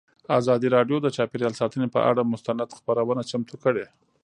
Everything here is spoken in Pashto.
ازادي راډیو د چاپیریال ساتنه پر اړه مستند خپرونه چمتو کړې.